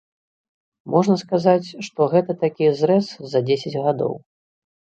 Можна сказаць, што гэта такі зрэз за дзесяць гадоў.